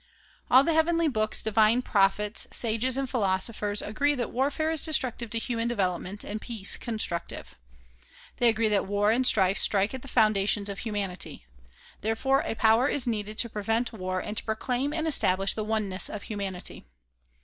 All the heavenly books, divine prophets, sages and philosophers agree that warfare is destructive to human development, and peace constructive. They agree that war and strife strike at the founda tions of humanity. Therefore a power is needed to prevent war and to proclaim and establish the oneness of humanity.